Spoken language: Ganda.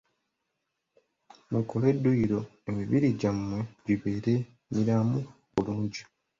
Mukole dduyiro emibiri gyammwe gibeere miramu bulungi.